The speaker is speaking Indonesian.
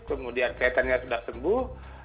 kemudian kelihatannya sudah sembuh